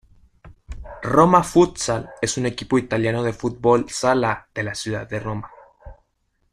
Roma Futsal es un equipo italiano de fútbol sala de la ciudad de Roma.